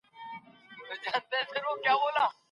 اختلاف سته.